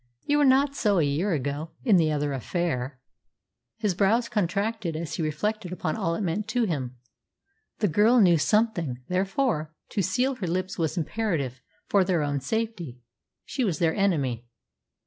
"You were not so a year ago in the other affair." His brows contracted as he reflected upon all it meant to him. The girl knew something; therefore, to seal her lips was imperative for their own safety. She was their enemy.